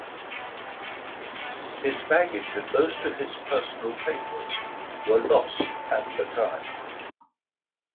His baggage and most of his personal papers were lost at the time.